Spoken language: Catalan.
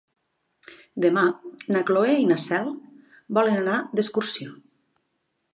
Demà na Cloè i na Cel volen anar d'excursió.